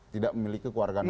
tidak memiliki keluarga negara